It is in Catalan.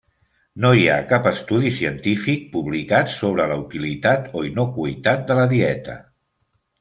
No hi ha cap estudi científic publicat sobre la utilitat o innocuïtat de la dieta.